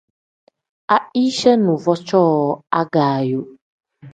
Aicha nuvo cooo agaayo.